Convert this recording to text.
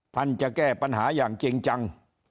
ท่านจะแก้ปัญหาอย่างจริงจัง